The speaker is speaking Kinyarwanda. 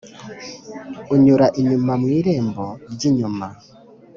Unyura inyuma mu irembo ry inyuma